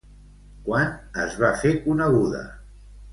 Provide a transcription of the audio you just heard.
Quan es va fer coneguda?